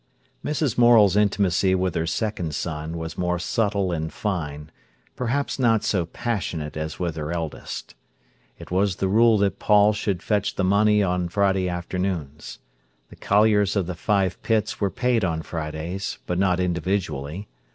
Mrs. Morel's intimacy with her second son was more subtle and fine, perhaps not so passionate as with her eldest. It was the rule that Paul should fetch the money on Friday afternoons. The colliers of the five pits were paid on Fridays, but not individually.